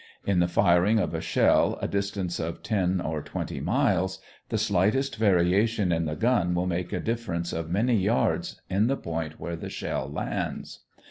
In the firing of a shell a distance of ten or twenty miles, the slightest variation in the gun will make a difference of many yards in the point where the shell lands.